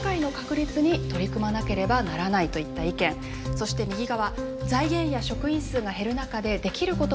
そして右側。